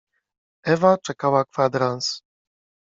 Ewa czekaia kwadrans.